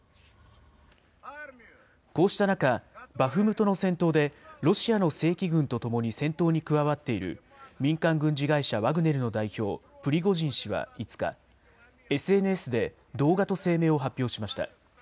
こうした中、バフムトの戦闘で、ロシアの正規軍と共に戦闘に加わっている民間軍事会社ワグネルの代表、プリゴジン氏は５日、ＳＮＳで動画と声明を発表しました。